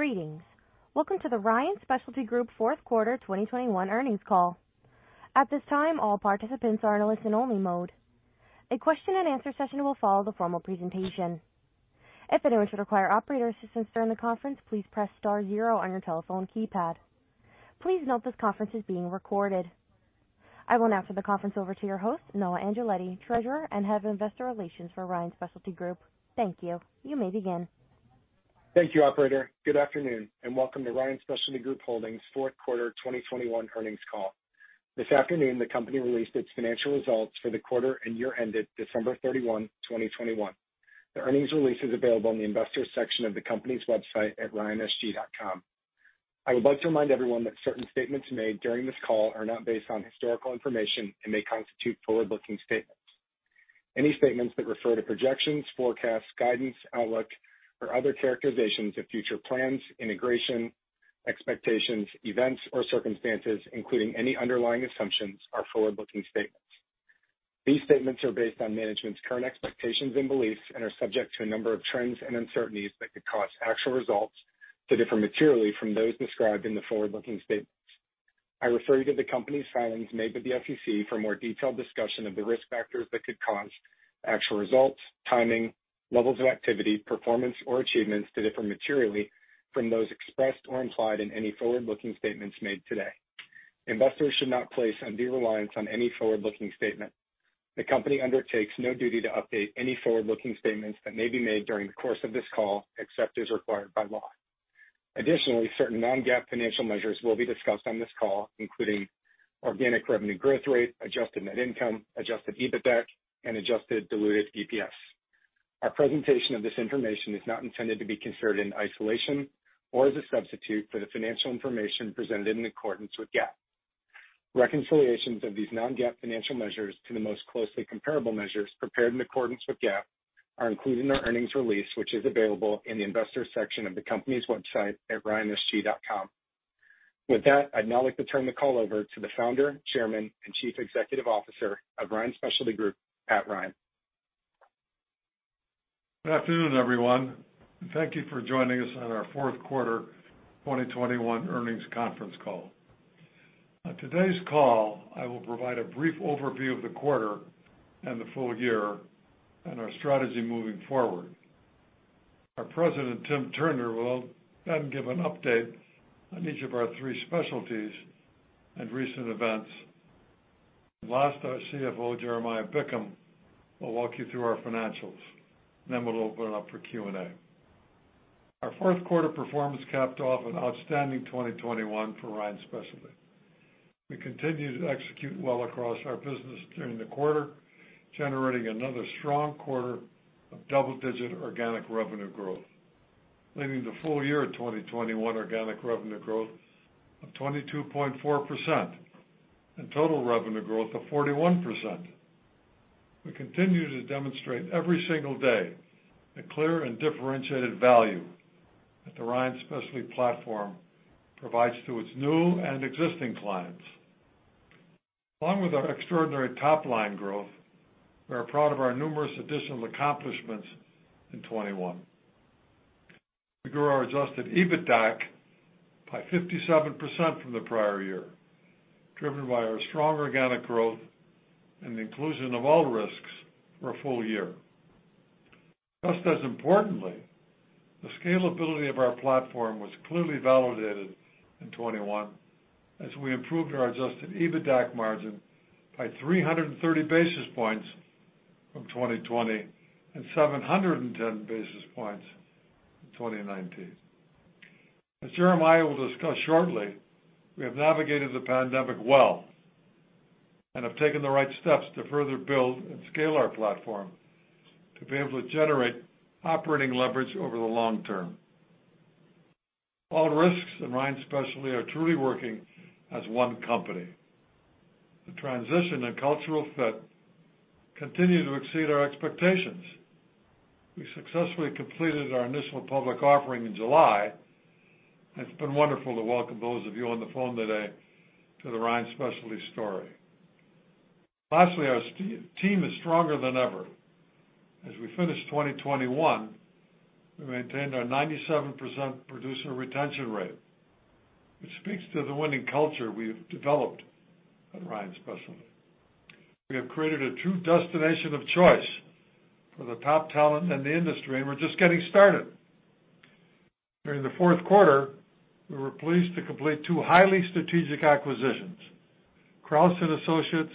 Greetings. Welcome to the Ryan Specialty Group fourth quarter 2021 earnings call. At this time, all participants are in a listen-only mode. A question-and-answer session will follow the formal presentation. If anyone should require operator assistance during the conference, please press star zero on your telephone keypad. Please note this conference is being recorded. I will now turn the conference over to your host, Noah Angeletti, Treasurer and Head of Investor Relations for Ryan Specialty Group. Thank you. You may begin. Thank you, operator. Good afternoon and welcome to Ryan Specialty Group Holdings' fourth quarter 2021 earnings call. This afternoon, the company released its financial results for the quarter and year ended December 31, 2021. The earnings release is available on the investors section of the company's website at ryansg.com. I would like to remind everyone that certain statements made during this call are not based on historical information and may constitute forward-looking statements. Any statements that refer to projections, forecasts, guidance, outlook, or other characterizations of future plans, integration, expectations, events, or circumstances, including any underlying assumptions, are forward-looking statements. These statements are based on management's current expectations and beliefs and are subject to a number of trends and uncertainties that could cause actual results to differ materially from those described in the forward-looking statements. I refer you to the company's filings made with the SEC for more detailed discussion of the risk factors that could cause actual results, timing, levels of activity, performance, or achievements to differ materially from those expressed or implied in any forward-looking statements made today. Investors should not place undue reliance on any forward-looking statement. The company undertakes no duty to update any forward-looking statements that may be made during the course of this call, except as required by law. Additionally, certain non-GAAP financial measures will be discussed on this call, including organic revenue growth rate, adjusted net income, adjusted EBITDAC, and adjusted diluted EPS. Our presentation of this information is not intended to be considered in isolation or as a substitute for the financial information presented in accordance with GAAP. Reconciliations of these non-GAAP financial measures to the most closely comparable measures prepared in accordance with GAAP are included in our earnings release, which is available in the Investors section of the company's website at ryansg.com. With that, I'd now like to turn the call over to the Founder, Chairman, and Chief Executive Officer of Ryan Specialty Group, Pat Ryan. Good afternoon, everyone, and thank you for joining us on our fourth quarter 2021 earnings conference call. On today's call, I will provide a brief overview of the quarter and the full year and our strategy moving forward. Our President, Tim Turner, will then give an update on each of our three specialties and recent events. Last, our CFO, Jeremiah Bickham, will walk you through our financials, and then we'll open it up for Q&A. Our fourth quarter performance capped off an outstanding 2021 for Ryan Specialty. We continued to execute well across our business during the quarter, generating another strong quarter of double-digit organic revenue growth, leading to full year 2021 organic revenue growth of 22.4% and total revenue growth of 41%. We continue to demonstrate every single day the clear and differentiated value that the Ryan Specialty platform provides to its new and existing clients. Along with our extraordinary top-line growth, we are proud of our numerous additional accomplishments in 2021. We grew our adjusted EBITDAC by 57% from the prior year, driven by our strong organic growth and the inclusion of All Risks for a full year. Just as importantly, the scalability of our platform was clearly validated in 2021 as we improved our adjusted EBITDAC margin by 330 basis points from 2020 and 710 basis points in 2019. As Jeremiah will discuss shortly, we have navigated the pandemic well and have taken the right steps to further build and scale our platform to be able to generate operating leverage over the long term. All Risks and Ryan Specialty are truly working as one company. The transition and cultural fit continue to exceed our expectations. We successfully completed our initial public offering in July, and it's been wonderful to welcome those of you on the phone today to the Ryan Specialty story. Lastly, our team is stronger than ever. As we finish 2021, we maintained our 97% producer retention rate, which speaks to the winning culture we've developed at Ryan Specialty. We have created a true destination of choice for the top talent in the industry, and we're just getting started. During the fourth quarter, we were pleased to complete two highly strategic acquisitions, Crouse and Associates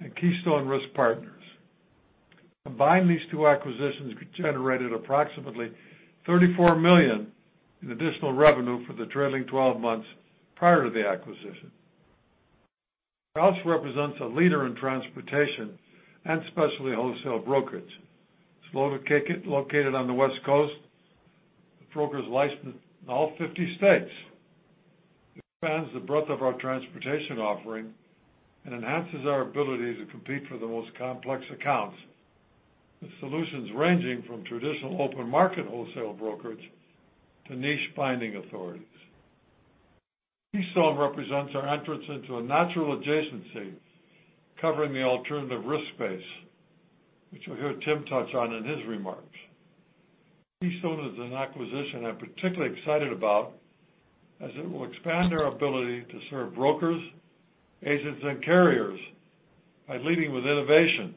and Keystone Risk Partners. Combined, these two acquisitions generated approximately $34 million in additional revenue for the trailing twelve months prior to the acquisition. Crouse represents a leader in transportation and specialty wholesale brokerage. It's located on the West Coast. It has a broker's license in all 50 states. It expands the breadth of our transportation offering and enhances our ability to compete for the most complex accounts, with solutions ranging from traditional open market wholesale brokerage to niche binding authorities. Keystone represents our entrance into a natural adjacency covering the alternative risk space, which you'll hear Tim touch on in his remarks. Keystone is an acquisition I'm particularly excited about as it will expand our ability to serve brokers, agents, and carriers by leading with innovation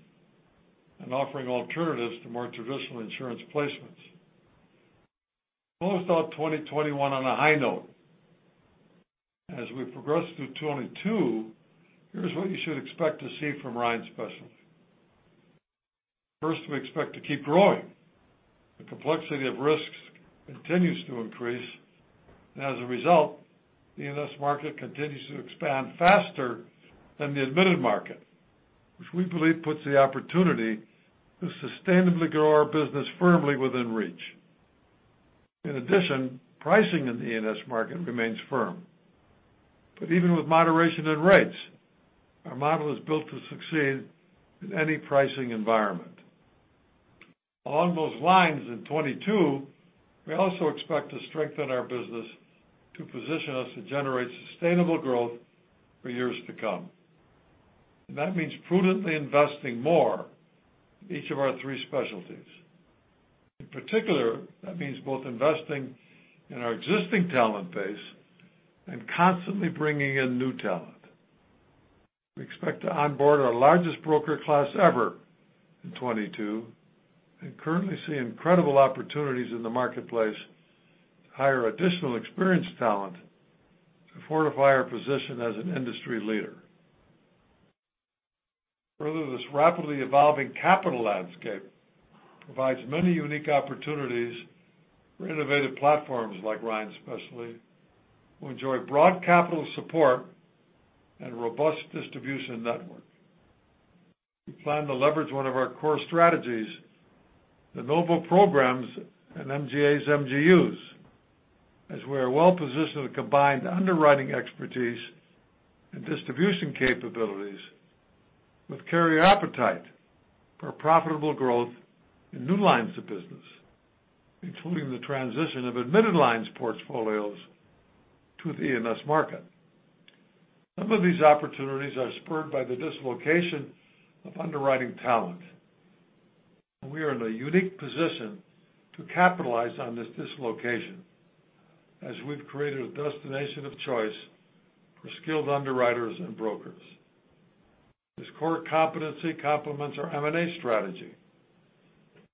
and offering alternatives to more traditional insurance placements. Closed out 2021 on a high note. As we progress through 2022, here's what you should expect to see from Ryan Specialty. First, we expect to keep growing. The complexity of risks continues to increase, and as a result, the E&S market continues to expand faster than the admitted market, which we believe puts the opportunity to sustainably grow our business firmly within reach. In addition, pricing in the E&S market remains firm. Even with moderation in rates, our model is built to succeed in any pricing environment. Along those lines, in 2022, we also expect to strengthen our business to position us to generate sustainable growth for years to come. That means prudently investing more in each of our three specialties. In particular, that means both investing in our existing talent base and constantly bringing in new talent. We expect to onboard our largest broker class ever in 2022 and currently see incredible opportunities in the marketplace to hire additional experienced talent to fortify our position as an industry leader. Further, this rapidly evolving capital landscape provides many unique opportunities for innovative platforms like Ryan Specialty, who enjoy broad capital support and robust distribution network. We plan to leverage one of our core strategies, the de novo programs and MGAs, MGUs, as we are well-positioned to combine the underwriting expertise and distribution capabilities with carrier appetite for profitable growth in new lines of business, including the transition of admitted lines portfolios to the E&S market. Some of these opportunities are spurred by the dislocation of underwriting talent. We are in a unique position to capitalize on this dislocation as we've created a destination of choice for skilled underwriters and brokers. This core competency complements our M&A strategy.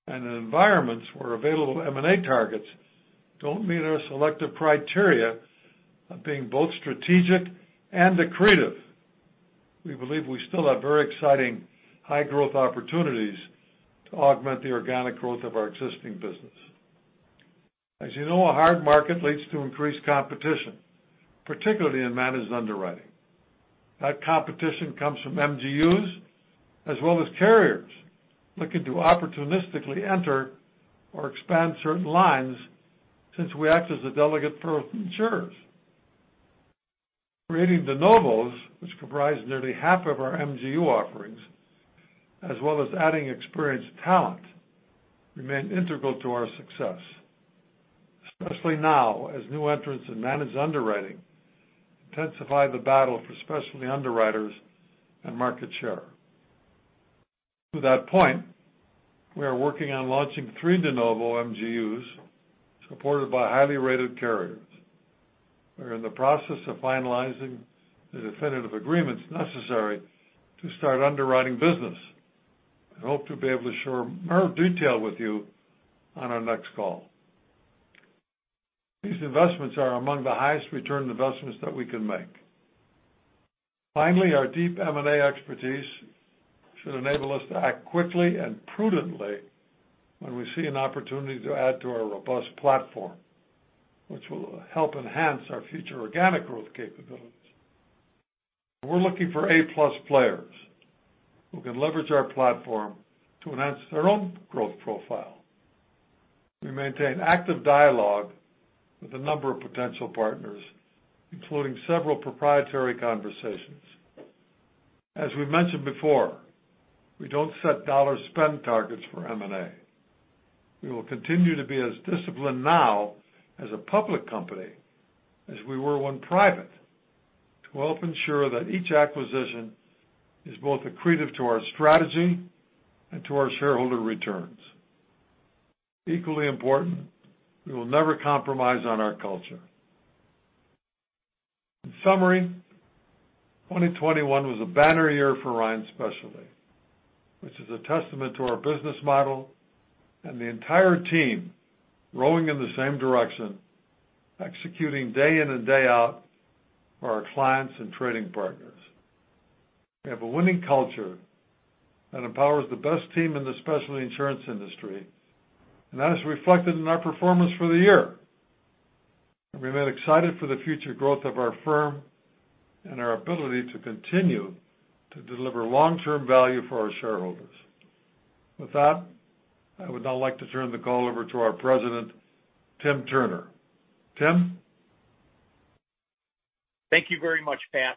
In environments where available M&A targets don't meet our selective criteria of being both strategic and accretive, we believe we still have very exciting high-growth opportunities to augment the organic growth of our existing business. As you know, a hard market leads to increased competition, particularly in managed underwriting. That competition comes from MGUs as well as carriers looking to opportunistically enter or expand certain lines since we act as a delegate for insurers. Creating de novos, which comprise nearly half of our MGU offerings, as well as adding experienced talent remain integral to our success, especially now as new entrants in managed underwriting intensify the battle for specialty underwriters and market share. To that point, we are working on launching three de novo MGUs supported by highly rated carriers. We are in the process of finalizing the definitive agreements necessary to start underwriting business and hope to be able to share more detail with you on our next call. These investments are among the highest return investments that we can make. Finally, our deep M&A expertise should enable us to act quickly and prudently when we see an opportunity to add to our robust platform, which will help enhance our future organic growth capabilities. We're looking for A+ players who can leverage our platform to enhance their own growth profile. We maintain active dialogue with a number of potential partners, including several proprietary conversations. As we mentioned before, we don't set dollar spend targets for M&A. We will continue to be as disciplined now as a public company as we were when private to help ensure that each acquisition is both accretive to our strategy and to our shareholder returns. Equally important, we will never compromise on our culture. In summary, 2021 was a banner year for Ryan Specialty, which is a testament to our business model and the entire team rowing in the same direction, executing day in and day out for our clients and trading partners. We have a winning culture that empowers the best team in the specialty insurance industry, and that is reflected in our performance for the year. We remain excited for the future growth of our firm and our ability to continue to deliver long-term value for our shareholders. With that, I would now like to turn the call over to our President, Tim Turner. Tim? Thank you very much, Pat.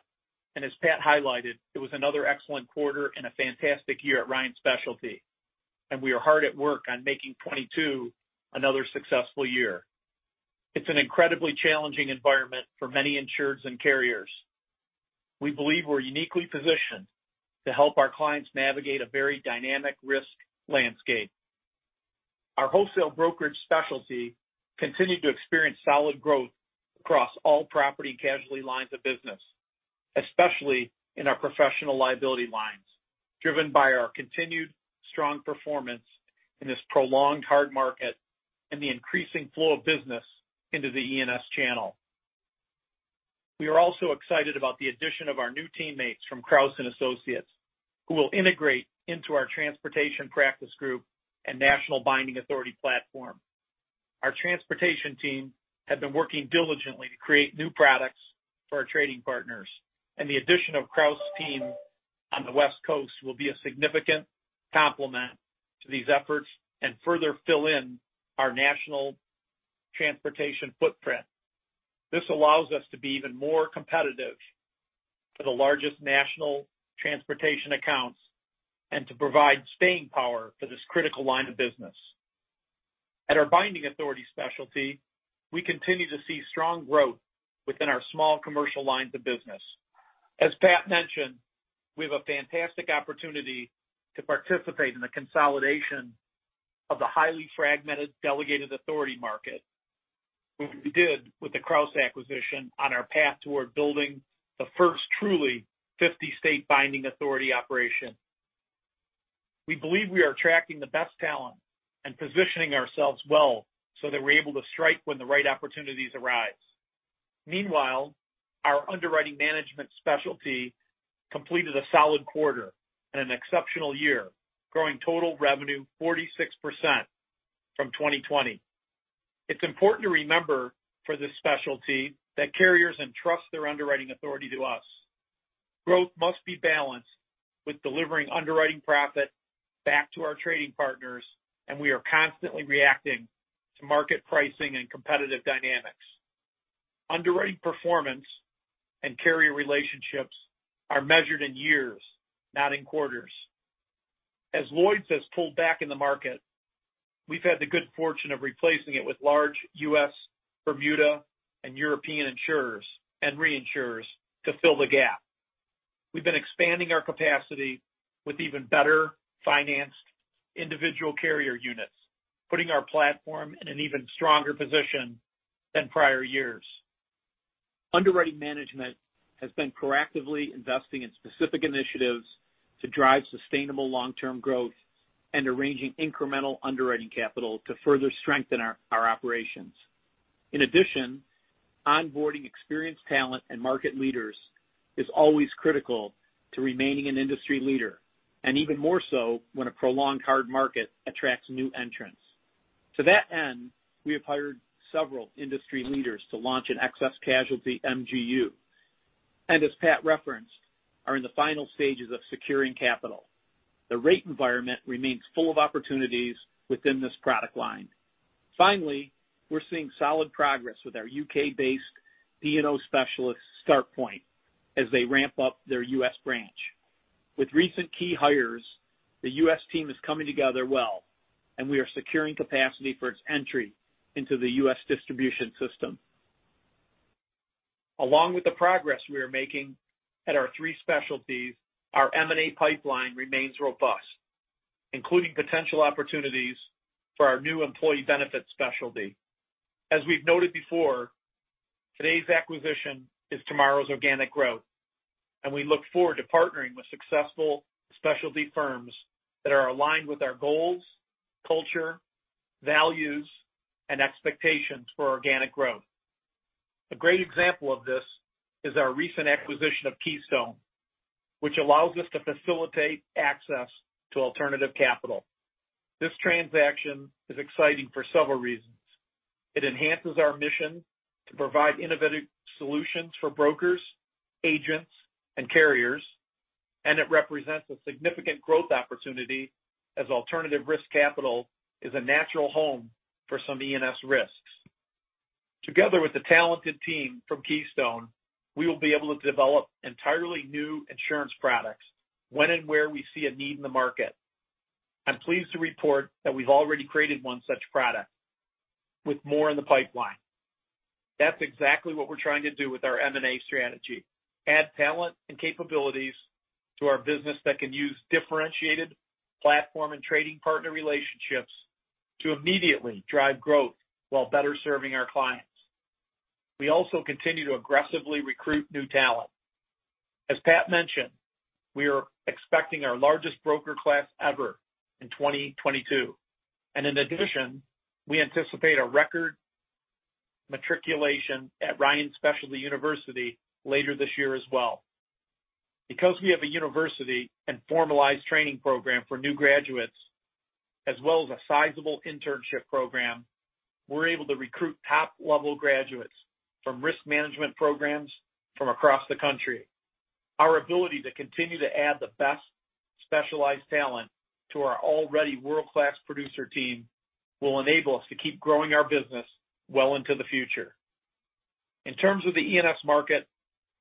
As Pat highlighted, it was another excellent quarter and a fantastic year at Ryan Specialty. We are hard at work on making 2022 another successful year. It's an incredibly challenging environment for many insureds and carriers. We believe we're uniquely positioned to help our clients navigate a very dynamic risk landscape. Our wholesale brokerage specialty continued to experience solid growth across all property casualty lines of business, especially in our professional liability lines, driven by our continued strong performance in this prolonged hard market and the increasing flow of business into the E&S channel. We are also excited about the addition of our new teammates from Crouse and Associates, who will integrate into our transportation practice group and national binding authority platform. Our transportation team have been working diligently to create new products for our trading partners, and the addition of Crouse team on the West Coast will be a significant complement to these efforts and further fill in our national transportation footprint. This allows us to be even more competitive for the largest national transportation accounts and to provide staying power for this critical line of business. At our binding authority specialty, we continue to see strong growth within our small commercial lines of business. As Pat mentioned, we have a fantastic opportunity to participate in the consolidation of the highly fragmented delegated authority market, which we did with the Crouse acquisition on our path toward building the first truly 50-state binding authority operation. We believe we are attracting the best talent and positioning ourselves well so that we're able to strike when the right opportunities arise. Meanwhile, our underwriting management specialty completed a solid quarter and an exceptional year, growing total revenue 46% from 2020. It's important to remember for this specialty that carriers entrust their underwriting authority to us. Growth must be balanced with delivering underwriting profit back to our trading partners, and we are constantly reacting to market pricing and competitive dynamics. Underwriting performance and carrier relationships are measured in years, not in quarters. As Lloyd's has pulled back in the market, we've had the good fortune of replacing it with large U.S., Bermuda, and European insurers and reinsurers to fill the gap. We've been expanding our capacity with even better-financed individual carrier units, putting our platform in an even stronger position than prior years. Underwriting management has been proactively investing in specific initiatives to drive sustainable long-term growth and arranging incremental underwriting capital to further strengthen our operations. In addition, onboarding experienced talent and market leaders is always critical to remaining an industry leader, and even more so when a prolonged hard market attracts new entrants. To that end, we have hired several industry leaders to launch an excess casualty MGU. As Pat referenced, we are in the final stages of securing capital. The rate environment remains full of opportunities within this product line. Finally, we're seeing solid progress with our U.K.-based P&I specialist, StartPoint, as they ramp up their U.S. branch. With recent key hires, the U.S. team is coming together well, and we are securing capacity for its entry into the U.S. distribution system. Along with the progress we are making at our three specialties, our M&A pipeline remains robust, including potential opportunities for our new employee benefit specialty. As we've noted before, today's acquisition is tomorrow's organic growth, and we look forward to partnering with successful specialty firms that are aligned with our goals, culture, values, and expectations for organic growth. A great example of this is our recent acquisition of Keystone, which allows us to facilitate access to alternative capital. This transaction is exciting for several reasons. It enhances our mission to provide innovative solutions for brokers, agents, and carriers, and it represents a significant growth opportunity as alternative risk capital is a natural home for some E&S risks. Together with the talented team from Keystone, we will be able to develop entirely new insurance products when and where we see a need in the market. I'm pleased to report that we've already created one such product with more in the pipeline. That's exactly what we're trying to do with our M&A strategy. Add talent and capabilities to our business that can use differentiated platform and trading partner relationships to immediately drive growth while better serving our clients. We also continue to aggressively recruit new talent. As Pat mentioned, we are expecting our largest broker class ever in 2022. In addition, we anticipate a record matriculation at Ryan Specialty University later this year as well. Because we have a university and formalized training program for new graduates, as well as a sizable internship program, we're able to recruit top-level graduates from risk management programs from across the country. Our ability to continue to add the best specialized talent to our already world-class producer team will enable us to keep growing our business well into the future. In terms of the E&S market,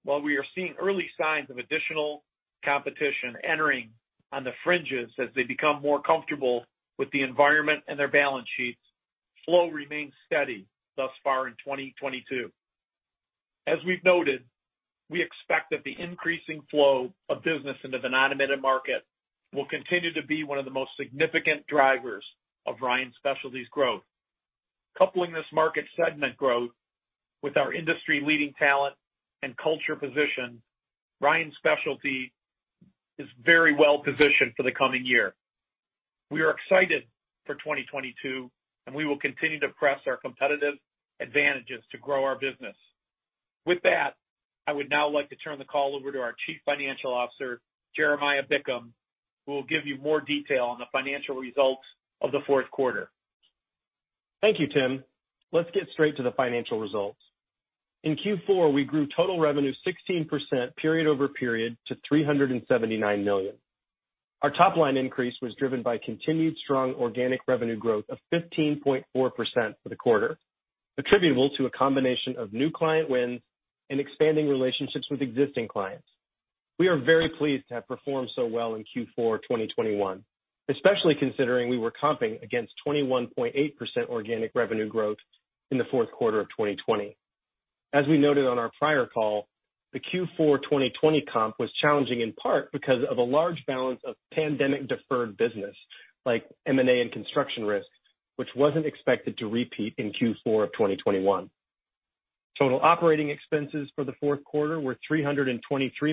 while we are seeing early signs of additional competition entering on the fringes as they become more comfortable with the environment and their balance sheets, flow remains steady thus far in 2022. As we've noted, we expect that the increasing flow of business into the non-admitted market will continue to be one of the most significant drivers of Ryan Specialty's growth. Coupling this market segment growth with our industry-leading talent and culture position, Ryan Specialty is very well-positioned for the coming year. We are excited for 2022, and we will continue to press our competitive advantages to grow our business. With that, I would now like to turn the call over to our Chief Financial Officer, Jeremiah Bickham, who will give you more detail on the financial results of the fourth quarter. Thank you, Tim. Let's get straight to the financial results. In Q4, we grew total revenue 16% period over period to $379 million. Our top-line increase was driven by continued strong organic revenue growth of 15.4% for the quarter, attributable to a combination of new client wins and expanding relationships with existing clients. We are very pleased to have performed so well in Q4 of 2021, especially considering we were comping against 21.8% organic revenue growth in the fourth quarter of 2020. As we noted on our prior call, the Q4 2020 comp was challenging in part because of a large balance of pandemic deferred business like M&A and construction risks, which wasn't expected to repeat in Q4 of 2021. Total operating expenses for the fourth quarter were $323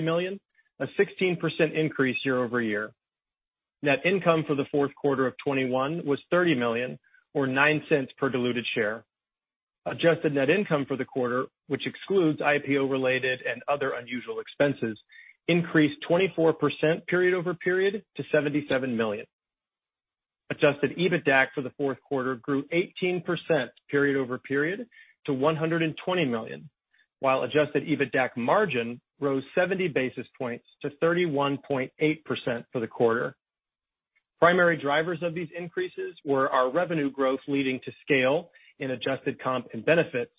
million, a 16% increase year-over-year. Net income for the fourth quarter of 2021 was $30 million or $0.09 per diluted share. Adjusted net income for the quarter, which excludes IPO related and other unusual expenses, increased 24% period over period to $77 million. Adjusted EBITDAC for the fourth quarter grew 18% period over period to $120 million, while adjusted EBITDAC margin rose 70 basis points to 31.8% for the quarter. Primary drivers of these increases were our revenue growth leading to scale in adjusted comp and benefits,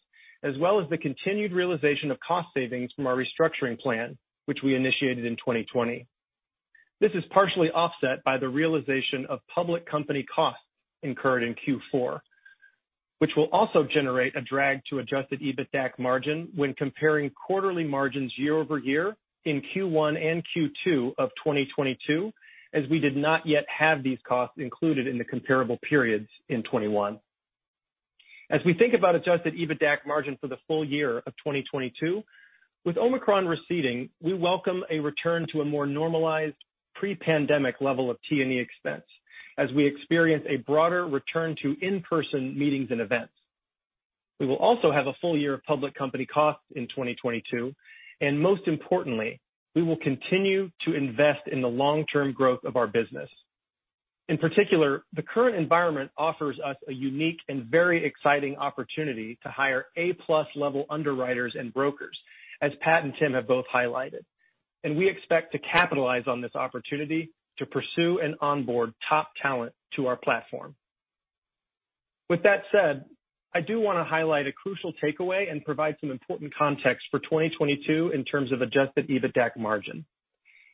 as well as the continued realization of cost savings from our restructuring plan, which we initiated in 2020. This is partially offset by the realization of public company costs incurred in Q4, which will also generate a drag to adjusted EBITDAC margin when comparing quarterly margins year-over-year in Q1 and Q2 of 2022, as we did not yet have these costs included in the comparable periods in 2021. As we think about adjusted EBITDAC margin for the full year of 2022, with Omicron receding, we welcome a return to a more normalized pre-pandemic level of T&E expense as we experience a broader return to in-person meetings and events. We will also have a full year of public company costs in 2022, and most importantly, we will continue to invest in the long-term growth of our business. In particular, the current environment offers us a unique and very exciting opportunity to hire A+ level underwriters and brokers, as Pat and Tim have both highlighted. We expect to capitalize on this opportunity to pursue and onboard top talent to our platform. With that said, I do wanna highlight a crucial takeaway and provide some important context for 2022 in terms of adjusted EBITDAC margin.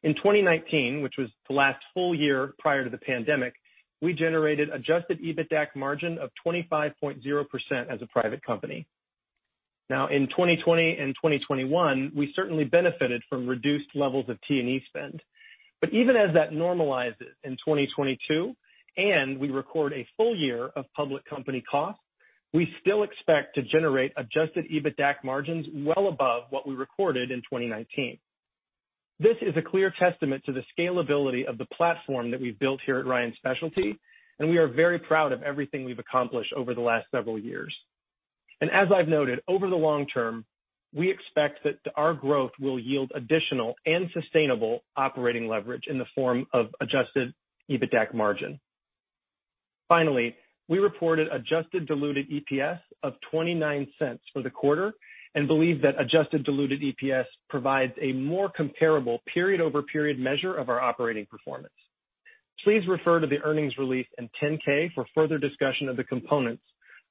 In 2019, which was the last full year prior to the pandemic, we generated adjusted EBITDAC margin of 25.0% as a private company. Now, in 2020 and 2021, we certainly benefited from reduced levels of T&E spend. Even as that normalizes in 2022 and we record a full year of public company costs, we still expect to generate adjusted EBITDAC margins well above what we recorded in 2019. This is a clear testament to the scalability of the platform that we've built here at Ryan Specialty, and we are very proud of everything we've accomplished over the last several years. As I've noted, over the long term, we expect that our growth will yield additional and sustainable operating leverage in the form of adjusted EBITDAC margin. Finally, we reported adjusted diluted EPS of $0.29 for the quarter and believe that adjusted diluted EPS provides a more comparable period-over-period measure of our operating performance. Please refer to the earnings release in 10-K for further discussion of the components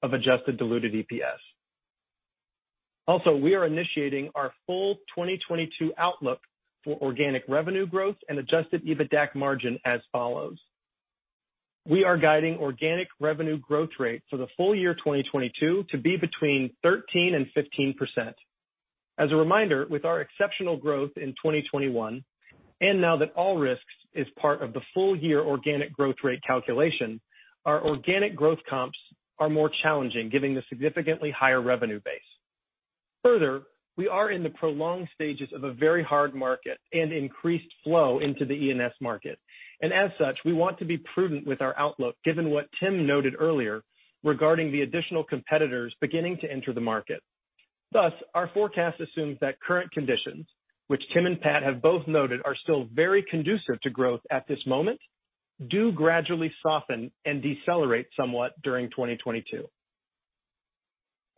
of adjusted diluted EPS. Also, we are initiating our full 2022 outlook for organic revenue growth and adjusted EBITDAC margin as follows. We are guiding organic revenue growth rate for the full year 2022 to be between 13% and 15%. As a reminder, with our exceptional growth in 2021, and now that All Risks is part of the full year organic growth rate calculation, our organic growth comps are more challenging, given the significantly higher revenue base. Further, we are in the prolonged stages of a very hard market and increased flow into the E&S market. As such, we want to be prudent with our outlook, given what Tim noted earlier regarding the additional competitors beginning to enter the market. Thus, our forecast assumes that current conditions, which Tim and Pat have both noted are still very conducive to growth at this moment, do gradually soften and decelerate somewhat during 2022.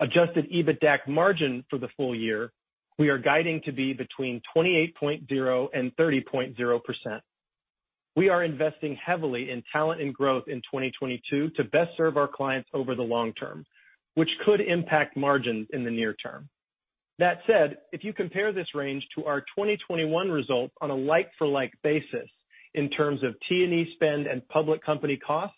Adjusted EBITDAC margin for the full year, we are guiding to be between 28.0% and 30.0%. We are investing heavily in talent and growth in 2022 to best serve our clients over the long term, which could impact margins in the near term. That said, if you compare this range to our 2021 results on a like-for-like basis in terms of T&E spend and public company costs,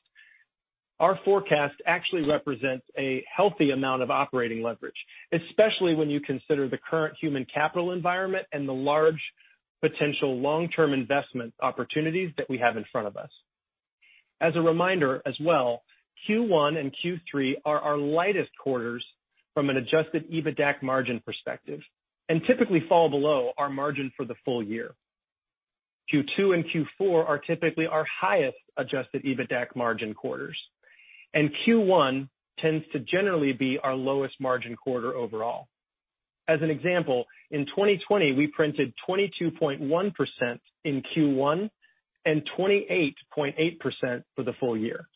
our forecast actually represents a healthy amount of operating leverage, especially when you consider the current human capital environment and the large potential long-term investment opportunities that we have in front of us. As a reminder as well, Q1 and Q3 are our lightest quarters from an adjusted EBITDAC margin perspective and typically fall below our margin for the full year. Q2 and Q4 are typically our highest Adjusted EBITDAC margin quarters, and Q1 tends to generally be our lowest margin quarter overall. As an example, in 2020, we printed 22.1% in Q1 and 28.8% for the full year.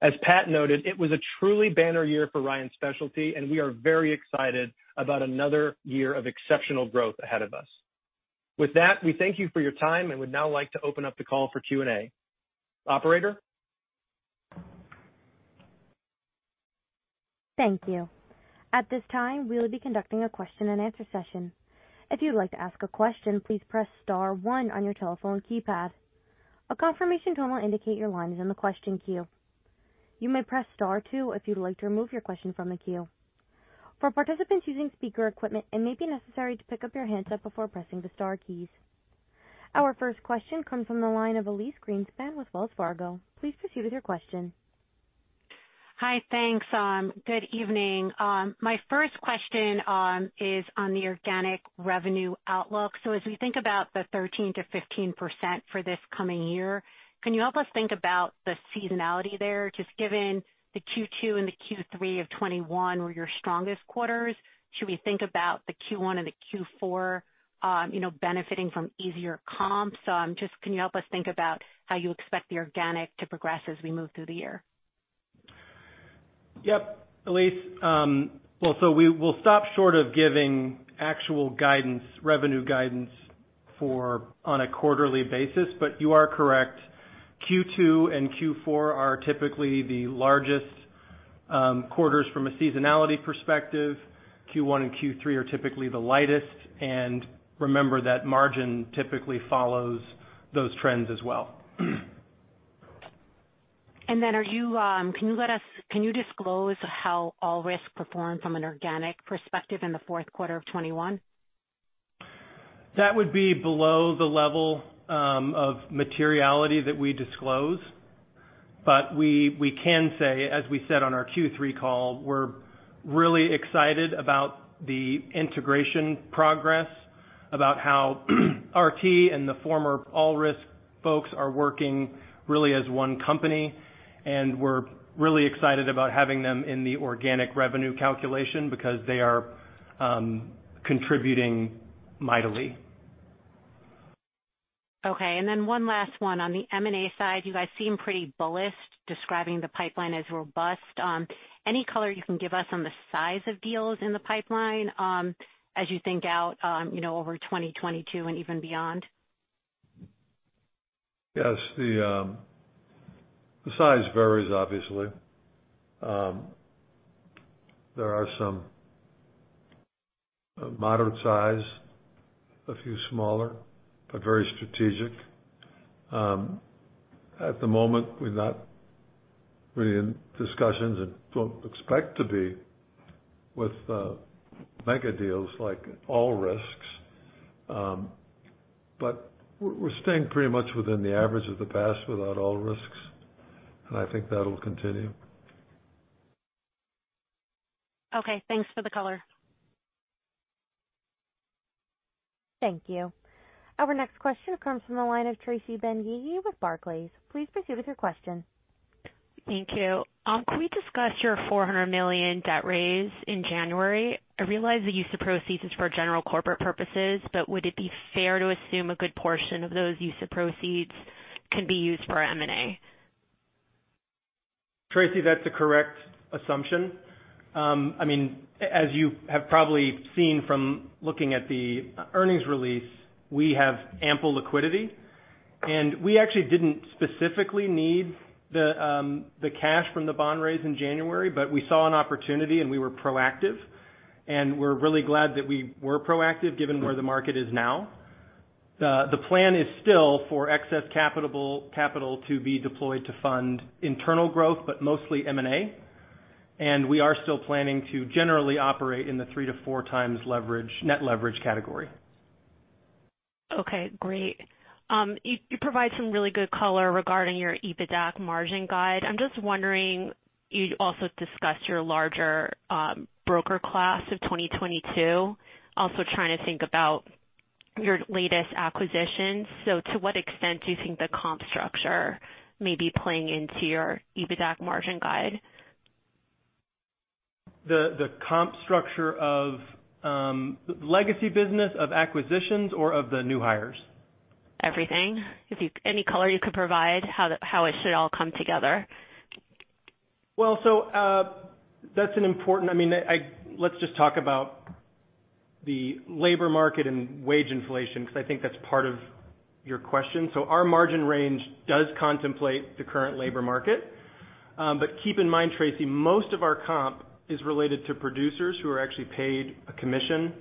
As Pat noted, it was a truly banner year for Ryan Specialty, and we are very excited about another year of exceptional growth ahead of us. With that, we thank you for your time and would now like to open up the call for Q&A. Operator? Thank you. At this time, we will be conducting a question-and-answer session. If you'd like to ask a question, please press star one on your telephone keypad. A confirmation tone will indicate your line is in the question queue. You may press star two if you'd like to remove your question from the queue. For participants using speaker equipment, it may be necessary to pick up your handset before pressing the star keys. Our first question comes from the line of Elyse Greenspan with Wells Fargo. Please proceed with your question. Hi. Thanks. Good evening. My first question is on the organic revenue outlook. So as we think about the 13%-15% for this coming year, can you help us think about the seasonality there, just given the Q2 and the Q3 of 2021 were your strongest quarters, should we think about the Q1 and the Q4, you know, benefiting from easier comps? Just can you help us think about how you expect the organic to progress as we move through the year? Yep. Elyse, well, we will stop short of giving actual guidance, revenue guidance for on a quarterly basis, but you are correct. Q2 and Q4 are typically the largest quarters from a seasonality perspective. Q1 and Q3 are typically the lightest. Remember that margin typically follows those trends as well. Can you disclose how All Risks performed from an organic perspective in the fourth quarter of 2021? That would be below the level of materiality that we disclose. We can say, as we said on our Q3 call, we're really excited about the integration progress, about how RT and the former All Risks folks are working really as one company, and we're really excited about having them in the organic revenue calculation because they are contributing mightily. Okay. One last one. On the M&A side, you guys seem pretty bullish describing the pipeline as robust. Any color you can give us on the size of deals in the pipeline, as you think out, you know, over 2022 and even beyond? Yes. The size varies, obviously. There are some of moderate size, a few smaller, but very strategic. At the moment, we're not really in discussions and don't expect to be with megadeals like All Risks. We're staying pretty much within the average of the past without All Risks, and I think that'll continue. Okay, thanks for the color. Thank you. Our next question comes from the line of Tracy Benguigui with Barclays. Please proceed with your question. Thank you. Can we discuss your $400 million debt raise in January? I realize the use of proceeds is for general corporate purposes, but would it be fair to assume a good portion of those use of proceeds can be used for M&A? Tracy, that's a correct assumption. I mean, as you have probably seen from looking at the earnings release, we have ample liquidity, and we actually didn't specifically need the cash from the bond raise in January, but we saw an opportunity, and we were proactive, and we're really glad that we were proactive given where the market is now. The plan is still for excess capital to be deployed to fund internal growth, but mostly M&A. We are still planning to generally operate in the 3x-4x leverage, net leverage category. Okay, great. You provided some really good color regarding your EBITDAC margin guide. I'm just wondering, you also discussed your larger broker class of 2022, trying to think about your latest acquisitions. To what extent do you think the comp structure may be playing into your EBITDAC margin guide? The comp structure of legacy business, of acquisitions or of the new hires? Everything. Any color you could provide how it should all come together. Well, I mean, let's just talk about the labor market and wage inflation, because I think that's part of your question. Our margin range does contemplate the current labor market. Keep in mind, Tracy, most of our comp is related to producers who are actually paid a commission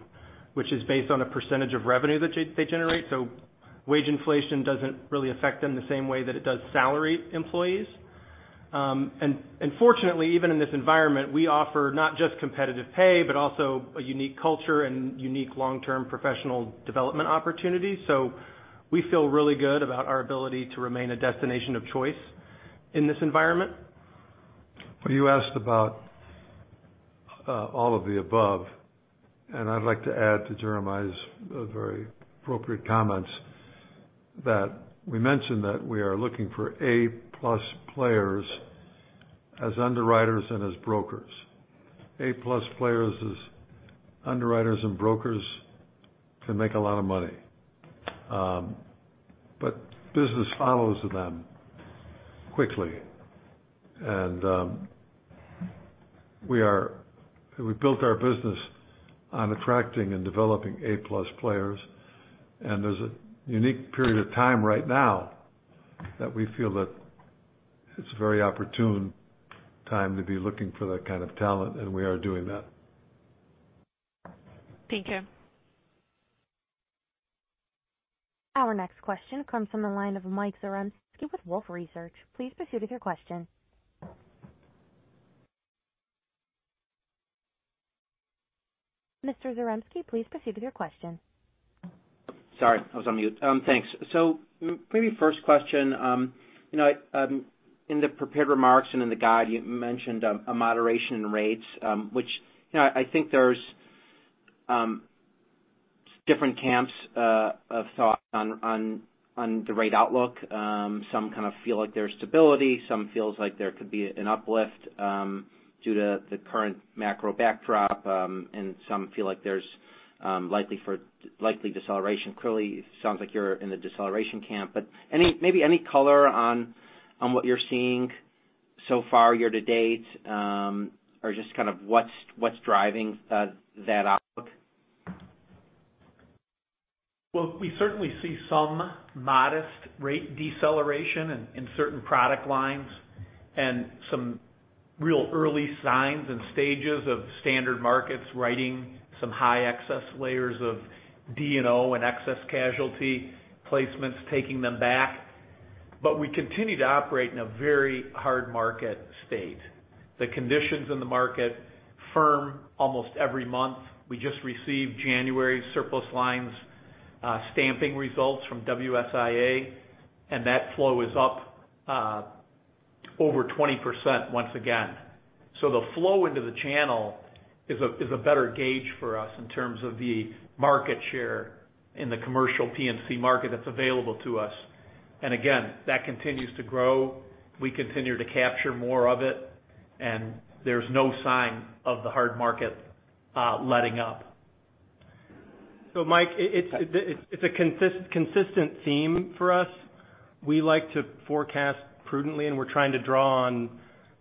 which is based on a percentage of revenue that they generate. Wage inflation doesn't really affect them the same way that it does salary employees. Fortunately, even in this environment, we offer not just competitive pay, but also a unique culture and unique long-term professional development opportunities. We feel really good about our ability to remain a destination of choice in this environment. You asked about all of the above, and I'd like to add to Jeremiah's very appropriate comments that we mentioned that we are looking for A+ players as underwriters and as brokers. A+ players as underwriters and brokers can make a lot of money. Business follows them quickly. We built our business on attracting and developing A+ players. There's a unique period of time right now that we feel that it's a very opportune time to be looking for that kind of talent, and we are doing that. Thank you. Our next question comes from the line of Michael Zaremski with Wolfe Research. Please proceed with your question. Mr. Zaremski, please proceed with your question. Sorry, I was on mute. Thanks. Maybe first question, you know, in the prepared remarks and in the guide, you mentioned a moderation in rates, which, you know, I think there's different camps of thought on the rate outlook. Some kind of feel like there's stability, some feels like there could be an uplift due to the current macro backdrop, and some feel like there's likely deceleration. Clearly, it sounds like you're in the deceleration camp, but maybe any color on what you're seeing so far year to date, or just kind of what's driving that outlook? Well, we certainly see some modest rate deceleration in certain product lines and some real early signs and stages of standard markets writing some high excess layers of D&O and excess casualty placements, taking them back. We continue to operate in a very hard market state. The conditions in the market are firm almost every month. We just received January surplus lines stamping results from WSIA, and that flow is up over 20% once again. The flow into the channel is a better gauge for us in terms of the market share in the commercial P&C market that's available to us. Again, that continues to grow. We continue to capture more of it, and there's no sign of the hard market letting up. Mike, it's a consistent theme for us. We like to forecast prudently, and we're trying to draw on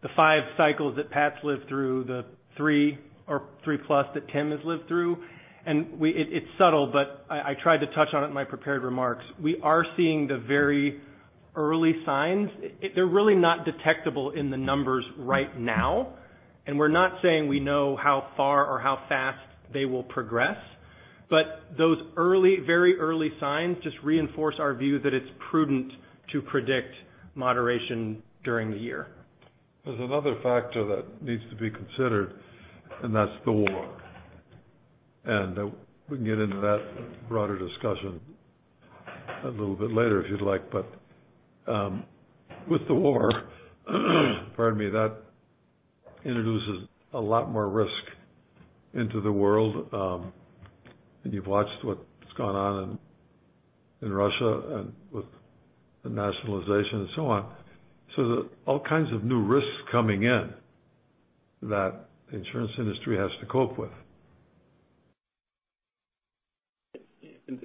the five cycles that Pat's lived through, the three or 3+ that Tim has lived through. It's subtle, but I tried to touch on it in my prepared remarks. We are seeing the very early signs. They're really not detectable in the numbers right now, and we're not saying we know how far or how fast they will progress. Those early, very early signs just reinforce our view that it's prudent to predict moderation during the year. There's another factor that needs to be considered, and that's the war. We can get into that broader discussion a little bit later if you'd like. with the war, pardon me, that introduces a lot more risk into the world, and you've watched what's gone on in Russia and with the nationalization and so on. There are all kinds of new risks coming in that the insurance industry has to cope with.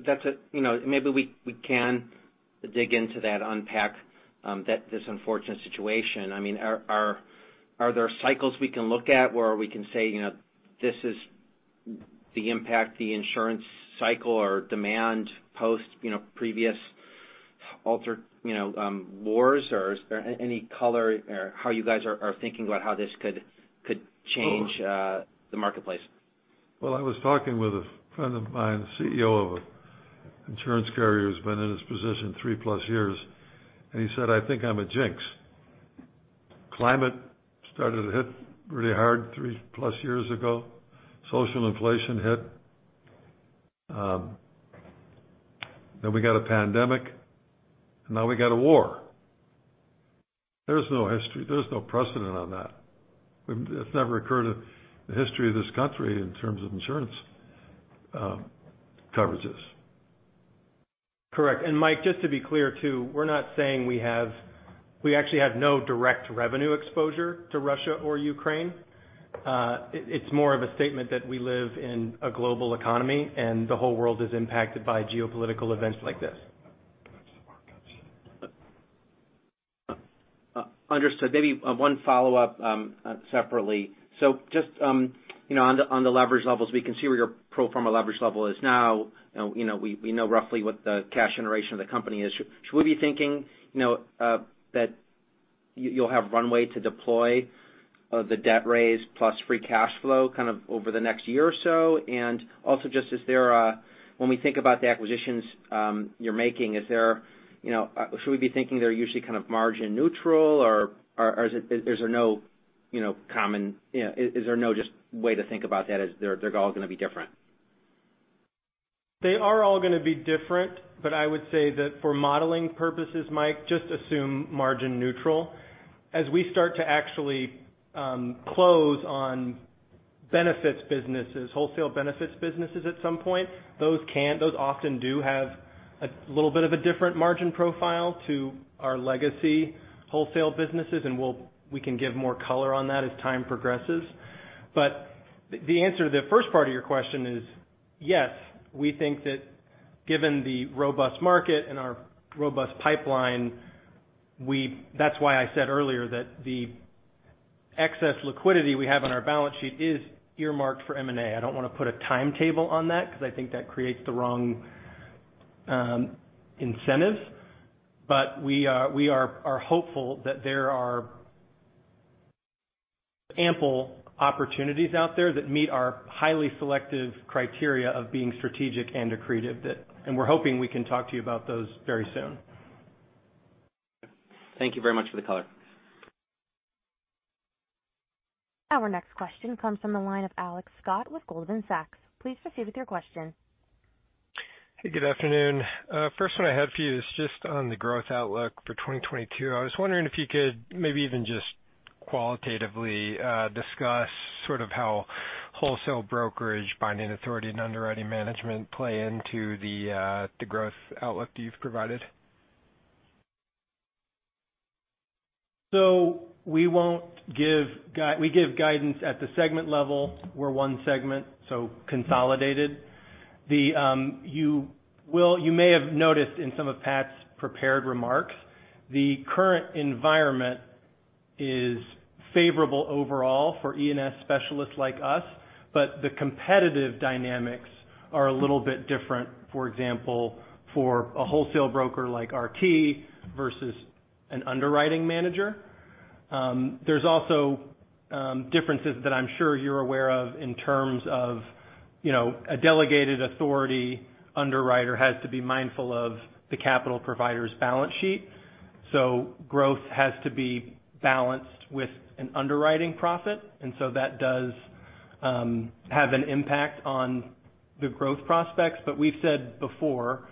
That's it. You know, maybe we can dig into that, unpack this unfortunate situation. I mean, are there cycles we can look at where we can say, you know, this is the impact the insurance cycle or demand post, you know, previous wars? Or is there any color how you guys are thinking about how this could change the marketplace? Well, I was talking with a friend of mine, the CEO of an insurance carrier, who's been in his position three-plus years, and he said, "I think I'm a jinx." Climate started to hit really hard 3+ years ago. Social inflation hit. Then we got a pandemic, and now we got a war. There's no history. There's no precedent on that. It's never occurred in the history of this country in terms of insurance coverages. Correct. Mike, just to be clear too, we're not saying we actually have no direct revenue exposure to Russia or Ukraine. It's more of a statement that we live in a global economy, and the whole world is impacted by geopolitical events like this. Understood. Maybe one follow-up separately. You know, on the leverage levels, we can see where your pro forma leverage level is now. You know, we know roughly what the cash generation of the company is. Should we be thinking, you know, that you'll have runway to deploy the debt raise plus free cash flow kind of over the next year or so? Also, when we think about the acquisitions you're making, is there, you know, should we be thinking they're usually kind of margin neutral or is it, is there no common way to think about that as they're all gonna be different? They are all gonna be different, but I would say that for modeling purposes, Mike, just assume margin neutral. As we start to actually close on benefits businesses, wholesale benefits businesses at some point, those often do have a little bit of a different margin profile to our legacy wholesale businesses, and we can give more color on that as time progresses. The answer to the first part of your question is yes, we think that given the robust market and our robust pipeline, that's why I said earlier that the excess liquidity we have on our balance sheet is earmarked for M&A. I don't wanna put a timetable on that because I think that creates the wrong incentives. We are hopeful that there are ample opportunities out there that meet our highly selective criteria of being strategic and accretive. We're hoping we can talk to you about those very soon. Thank you very much for the color. Our next question comes from the line of Alex Scott with Goldman Sachs. Please proceed with your question. Hey, good afternoon. First one I had for you is just on the growth outlook for 2022. I was wondering if you could maybe even just qualitatively discuss sort of how wholesale brokerage, binding authority, and underwriting management play into the growth outlook that you've provided. We give guidance at the segment level. We're one segment, so consolidated. You may have noticed in some of Pat's prepared remarks, the current environment is favorable overall for E&S specialists like us, but the competitive dynamics are a little bit different. For example, for a wholesale broker like RT versus an underwriting manager. There's also differences that I'm sure you're aware of in terms of, you know, a delegated authority underwriter has to be mindful of the capital provider's balance sheet. Growth has to be balanced with an underwriting profit. That does have an impact on the growth prospects. We've said before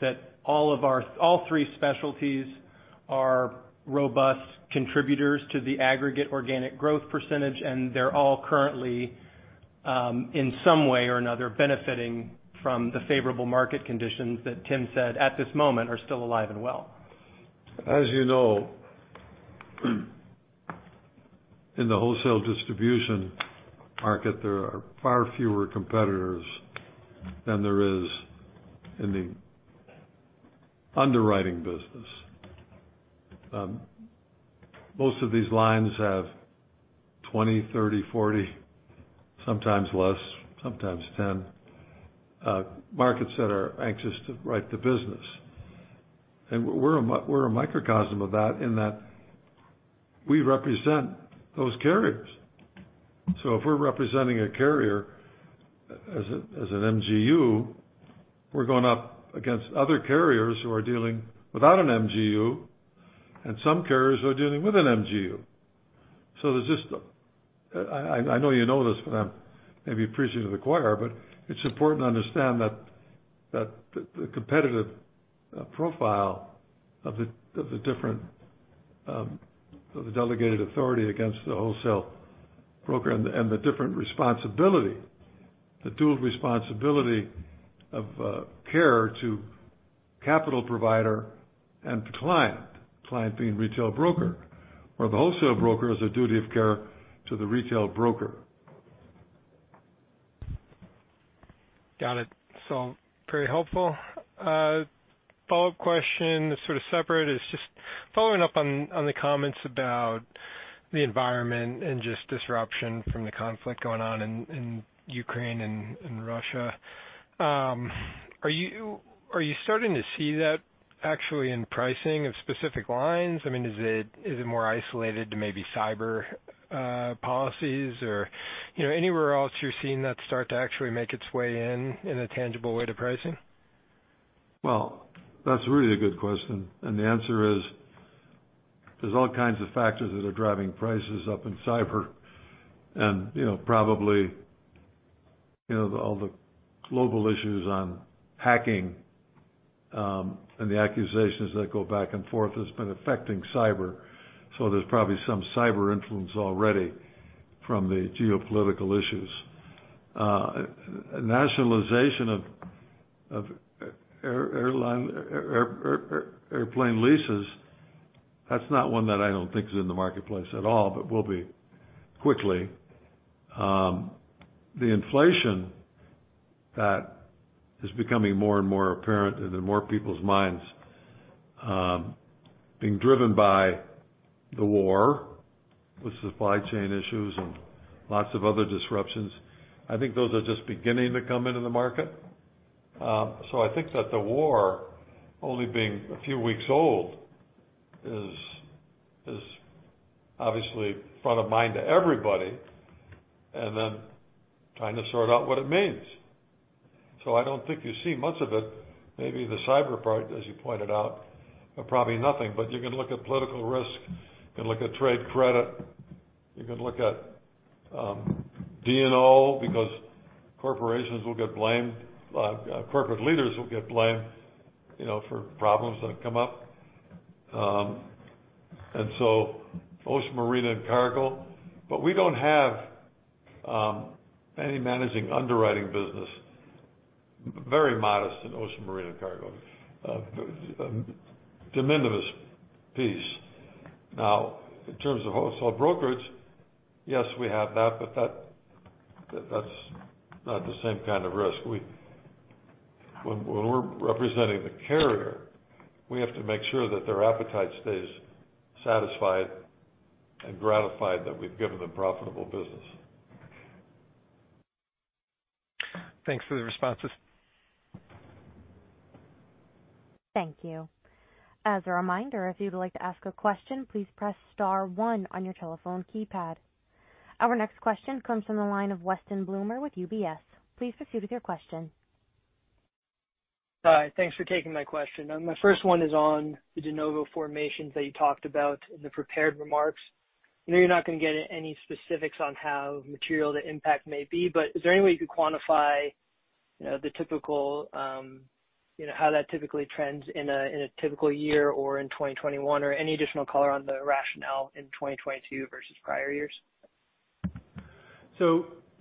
that all three specialties are robust contributors to the aggregate organic growth percentage, and they're all currently in some way or another benefiting from the favorable market conditions that Tim said at this moment are still alive and well. As you know, in the wholesale distribution market, there are far fewer competitors than there is in the underwriting business. Most of these lines have 20, 30, 40, sometimes less, sometimes 10, markets that are anxious to write the business. We're a microcosm of that in that we represent those carriers. If we're representing a carrier as an MGU, we're going up against other carriers who are dealing without an MGU, and some carriers who are dealing with an MGU. There's just I know you know this, but I'm maybe preaching to the choir, but it's important to understand that the competitive profile of the different delegated authority against the wholesale broker and the different responsibility, the dual responsibility of care to capital provider and to client being retail broker, where the wholesale broker has a duty of care to the retail broker. Got it. Pretty helpful. Follow-up question is sort of separate. It's just following up on the comments about the environment and just disruption from the conflict going on in Ukraine and Russia. Are you starting to see that actually in pricing of specific lines? I mean, is it more isolated to maybe cyber policies or, you know, anywhere else you're seeing that start to actually make its way in a tangible way to pricing? Well, that's really a good question. The answer is, there's all kinds of factors that are driving prices up in cyber. You know, probably, you know, all the global issues on hacking, and the accusations that go back and forth has been affecting cyber. There's probably some cyber influence already from the geopolitical issues. Nationalization of airplane leases, that's not one that I don't think is in the marketplace at all, but will be quickly. The inflation that is becoming more and more apparent and in more people's minds, being driven by the war with supply chain issues and lots of other disruptions. I think those are just beginning to come into the market. I think that the war only being a few weeks old is obviously front of mind to everybody and then trying to sort out what it means. I don't think you see much of it. Maybe the cyber part, as you pointed out, probably nothing. But you can look at political risk, you can look at trade credit, you can look at D&O because corporations will get blamed, corporate leaders will get blamed, you know, for problems that come up, ocean marine and cargo. But we don't have any managing underwriting business. Very modest in ocean marine and cargo, de minimis piece. Now, in terms of wholesale brokerage, yes, we have that, but that's not the same kind of risk. When we're representing the carrier, we have to make sure that their appetite stays satisfied and gratified that we've given them profitable business. Thanks for the responses. Thank you. As a reminder, if you'd like to ask a question, please press star one on your telephone keypad. Our next question comes from the line of Weston Bloomer with UBS. Please proceed with your question. Hi. Thanks for taking my question. My first one is on the de novo formations that you talked about in the prepared remarks. I know you're not going to get any specifics on how material the impact may be, but is there any way you could quantify, you know, the typical, you know, how that typically trends in a typical year or in 2021 or any additional color on the rationale in 2022 versus prior years?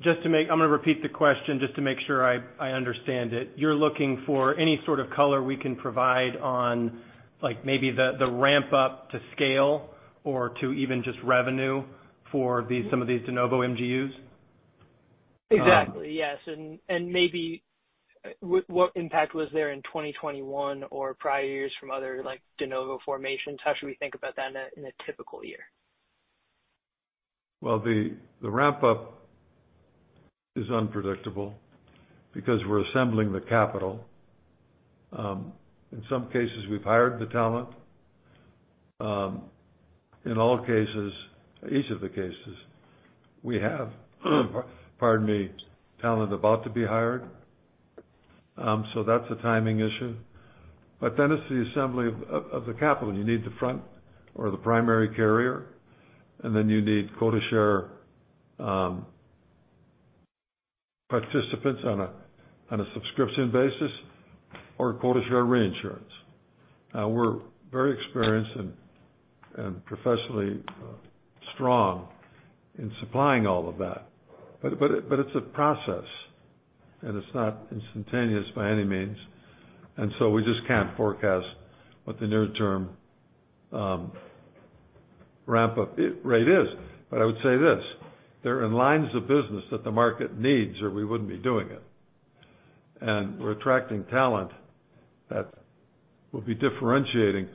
I'm going to repeat the question just to make sure I understand it. You're looking for any sort of color we can provide on, like, maybe the ramp up to scale or to even just revenue for some of these de novo MGUs? Exactly, yes. Maybe what impact was there in 2021 or prior years from other, like, de novo formations? How should we think about that in a typical year? Well, the ramp up is unpredictable because we're assembling the capital. In some cases, we've hired the talent. In all cases, each of the cases we have, pardon me, talent about to be hired. So that's a timing issue. It's the assembly of the capital. You need the front or the primary carrier, and then you need quota share participants on a subscription basis or quota share reinsurance. Now, we're very experienced and professionally strong in supplying all of that. It's a process, and it's not instantaneous by any means. We just can't forecast what the near-term ramp up rate is. I would say this, they're in lines of business that the market needs or we wouldn't be doing it. We're attracting talent that will be differentiating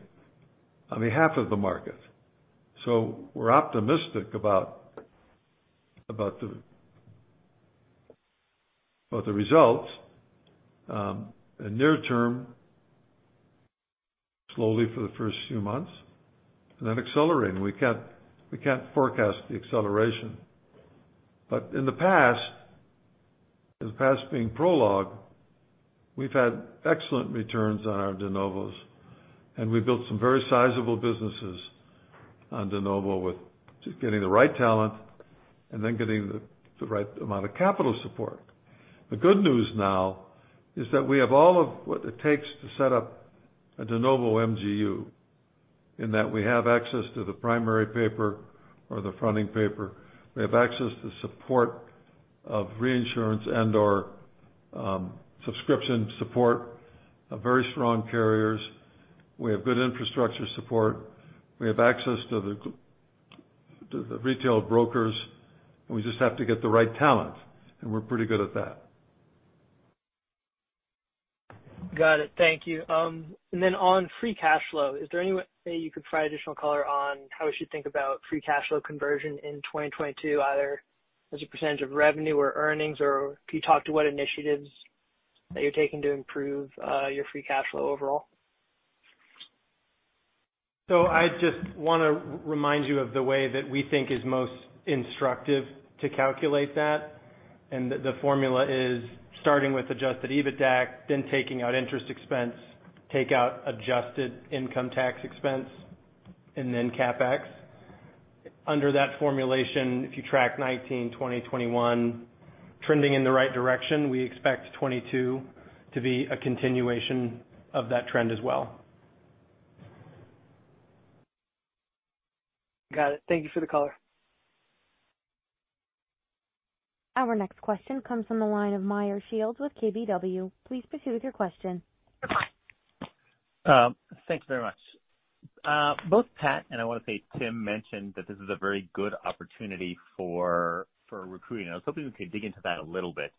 on behalf of the market. We're optimistic about the results and near term slowly for the first few months and then accelerating. We can't forecast the acceleration. In the past, the past being prologue, we've had excellent returns on our de novos, and we built some very sizable businesses on de novo with getting the right talent and then getting the right amount of capital support. The good news now is that we have all of what it takes to set up a de novo MGU in that we have access to the primary paper or the fronting paper. We have access to support of reinsurance and/or subscription support of very strong carriers. We have good infrastructure support. We have access to the retail brokers, and we just have to get the right talent, and we're pretty good at that. Got it. Thank you. On free cash flow, is there any way you could provide additional color on how we should think about free cash flow conversion in 2022, either as a percentage of revenue or earnings? Can you talk to what initiatives that you're taking to improve your free cash flow overall? I just wanna remind you of the way that we think is most instructive to calculate that. The formula is starting with adjusted EBITDA, then taking out interest expense, take out adjusted income tax expense, and then CapEx. Under that formulation, if you track 2019, 2020, 2021 trending in the right direction, we expect 2022 to be a continuation of that trend as well. Got it. Thank you for the color. Our next question comes from the line of Meyer Shields with KBW. Please proceed with your question. Thank you very much. Both Pat and I want to say Tim mentioned that this is a very good opportunity for recruiting. I was hoping we could dig into that a little bit.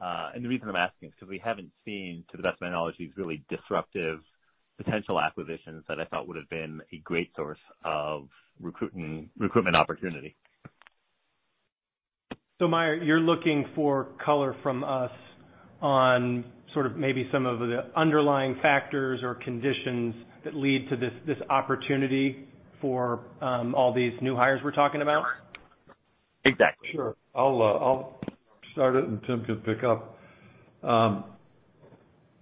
The reason I'm asking is because we haven't seen, to the best of my knowledge, these really disruptive potential acquisitions that I thought would have been a great source of recruitment opportunity. Meyer, you're looking for color from us on sort of maybe some of the underlying factors or conditions that lead to this opportunity for all these new hires we're talking about? Exactly. Sure. I'll start it and Tim can pick up.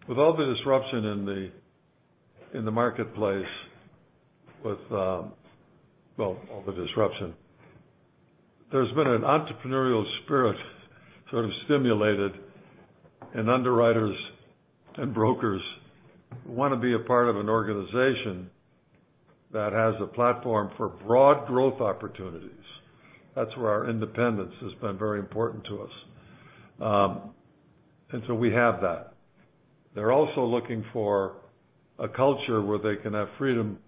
With all the disruption in the marketplace, well, all the disruption, there's been an entrepreneurial spirit sort of stimulated and underwriters and brokers want to be a part of an organization that has a platform for broad growth opportunities. That's where our independence has been very important to us. We have that. They're also looking for a culture where they can have freedom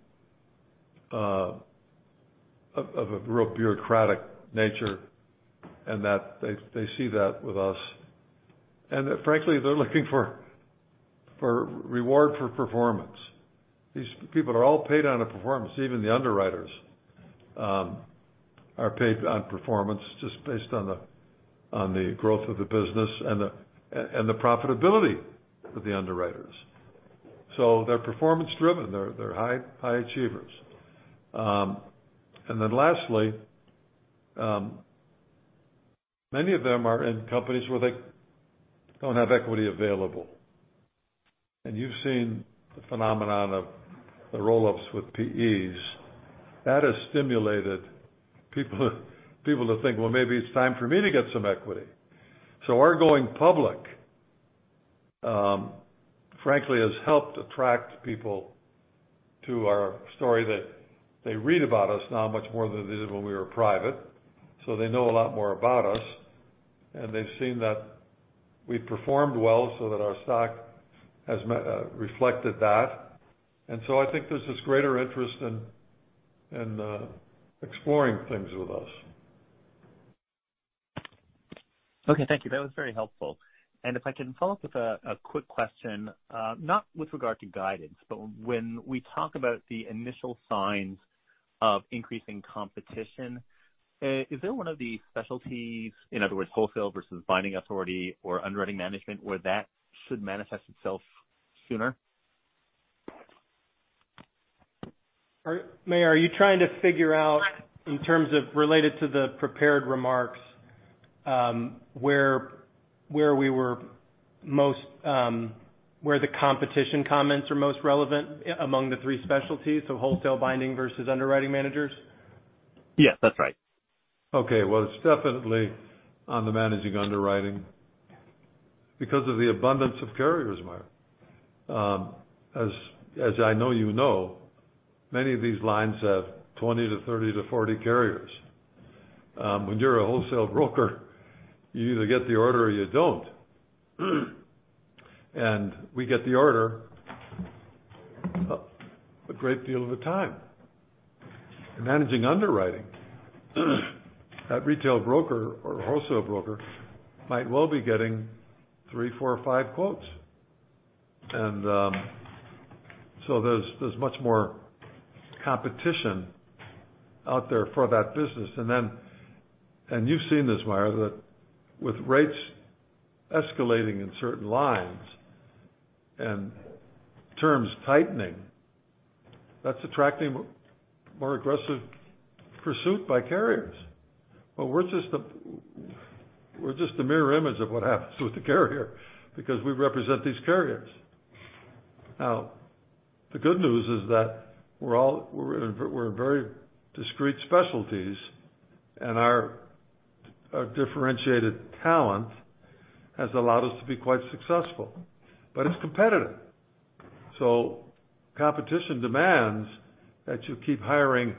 of a real bureaucratic nature, and that they see that with us. Frankly, they're looking for reward for performance. These people are all paid on a performance. Even the underwriters are paid on performance just based on the growth of the business and the profitability of the underwriters. So they're performance driven. They're high achievers. Lastly, many of them are in companies where they don't have equity available. You've seen the phenomenon of the roll-ups with PEs. That has stimulated people to think, "Well, maybe it's time for me to get some equity." Our going public, frankly, has helped attract people to our story that they read about us now much more than they did when we were private. They know a lot more about us, and they've seen that we've performed well so that our stock has reflected that. I think there's this greater interest in exploring things with us. Okay, thank you. That was very helpful. If I can follow up with a quick question, not with regard to guidance, but when we talk about the initial signs of increasing competition, is there one of the specialties, in other words, wholesale versus binding authority or underwriting management, where that should manifest itself sooner? Meyer, are you trying to figure out in terms of related to the prepared remarks, where we were most, where the competition comments are most relevant among the three specialties, so wholesale binding versus underwriting managers? Yes, that's right. Well, it's definitely on the managing underwriting because of the abundance of carriers, Meyer. As I know you know, many of these lines have 20 to 30 to 40 carriers. When you're a wholesale broker, you either get the order or you don't. We get the order a great deal of the time. In managing underwriting, that retail broker or wholesale broker might well be getting three, four or five quotes. There's much more competition out there for that business. You've seen this, Meyer, that with rates escalating in certain lines and terms tightening, that's attracting more aggressive pursuit by carriers. We're just the mirror image of what happens with the carrier because we represent these carriers. Now, the good news is that we're in very discrete specialties and our differentiated talent has allowed us to be quite successful, but it's competitive. Competition demands that you keep hiring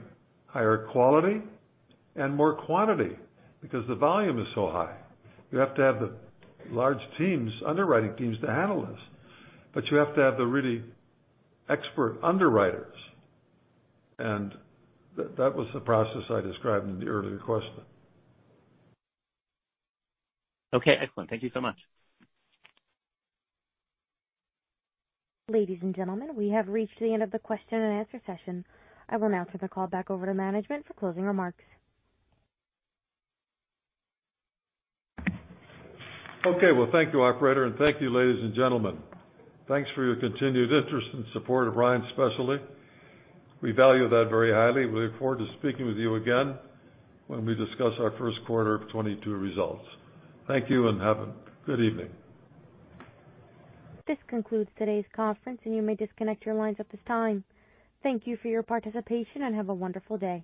higher quality and more quantity because the volume is so high. You have to have the large teams, underwriting teams to handle this, but you have to have the really expert underwriters. That was the process I described in the earlier question. Okay, excellent. Thank you so much. Ladies and gentlemen, we have reached the end of the question and answer session. I will now turn the call back over to management for closing remarks. Okay. Well, thank you, operator, and thank you, ladies and gentlemen. Thanks for your continued interest and support of Ryan Specialty. We value that very highly. We look forward to speaking with you again when we discuss our first quarter of 2022 results. Thank you and have a good evening. This concludes today's conference, and you may disconnect your lines at this time. Thank you for your participation and have a wonderful day.